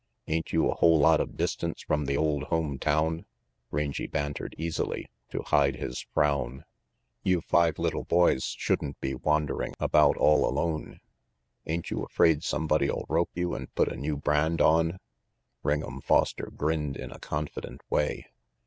"Ain't you a whole lot of distance from the old home town?" Rangy bantered easily, to hide his 178 RANGY PETE frown. "You five little boys shouldn't be wandering about all alone. Ain't you afraid somebody'll rope you and put a new brand on?" Ring'em Foster grinned in a confident way.